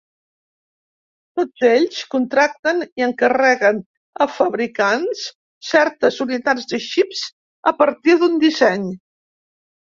Tots ells contracten i encarreguen a fabricants certes unitats de xips a partir d'un disseny.